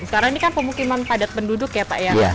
sekarang ini kan pemukiman padat penduduk ya pak ya